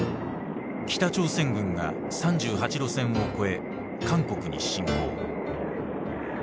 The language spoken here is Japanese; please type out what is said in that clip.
北朝鮮軍が３８度線を越え韓国に侵攻。